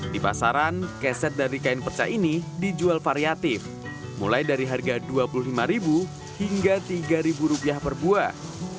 di pasaran keset dari kain perca ini dijual variatif mulai dari harga dua puluh lima hingga rp tiga per buah